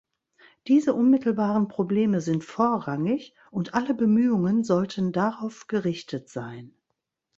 Diese unmittelbaren Probleme sind vorrangig, und alle Bemühungen sollten darauf gerichtet sein.